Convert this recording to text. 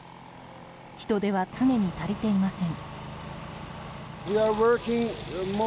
人手は常に足りていません。